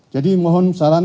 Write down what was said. jadi mohon saran